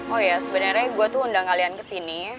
oh iya sebenernya gue tuh undang kalian kesini